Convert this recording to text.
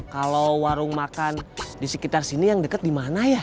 kalo warung makan disekitar sini yang deket dimana ya